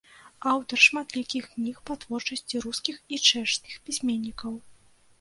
Аўтар шматлікіх кніг па творчасці рускіх і чэшскіх пісьменнікаў.